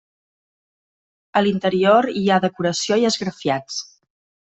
A l'interior hi ha decoració i d'esgrafiats.